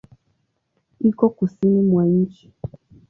Iko Kusini mwa nchi.